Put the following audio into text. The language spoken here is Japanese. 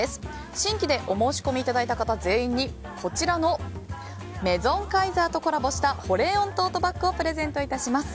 新規でお申込みいただいた方全員にこちらのメゾンカイザーとコラボした保冷温トートバッグをプレゼントいたします。